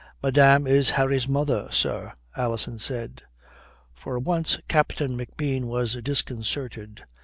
"Madame is Harry's mother, sir," Alison said. For once Captain McBean was disconcerted.